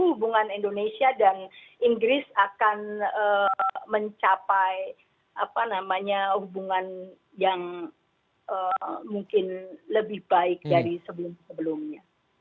hubungan indonesia dan inggris akan mencapai hubungan yang mungkin lebih baik dari sebelum sebelumnya